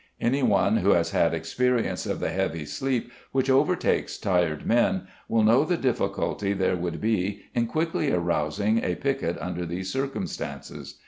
Any one who has had experience of the heavy sleep which overtakes tired men will know the difficulty there would be in quickly rousing a piquet under these circumstances.